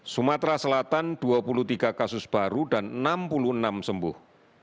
sumatera selatan dua puluh tiga kasus baru dan enam puluh enam sembuh